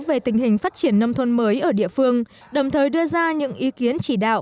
về tình hình phát triển nông thôn mới ở địa phương đồng thời đưa ra những ý kiến chỉ đạo